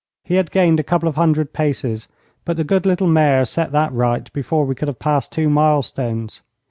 He had gained a couple of hundred paces, but the good little mare set that right before we could have passed two milestones.